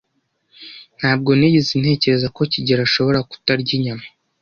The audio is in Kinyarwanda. Ntabwo nigeze ntekereza ko kigeli ashobora kutarya inyama.